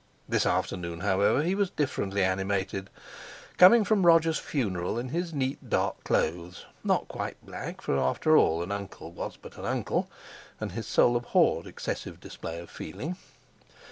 This afternoon, however, he was differently animated, coming from Roger's funeral in his neat dark clothes—not quite black, for after all an uncle was but an uncle, and his soul abhorred excessive display of feeling.